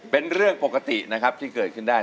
บ่อมียังดอกคนออกหัวใจ